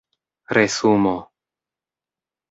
resumo